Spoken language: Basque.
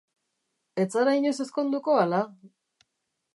Ez zara inoiz ezkonduko ala?